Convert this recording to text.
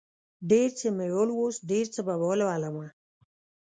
ډېر څه مې ولوست، ډېر څه به ولولمه